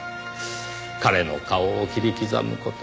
彼の顔を切り刻む事。